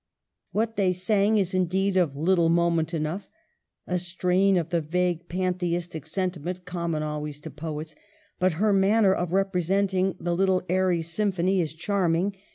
What they sang is indeed of little moment enough — a strain of the vague pantheistic sen timent common always to poets, but her manner of representing the little airy symphony is charm ing.